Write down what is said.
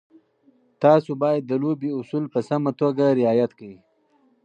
تاسو باید د لوبې اصول په سمه توګه رعایت کړئ.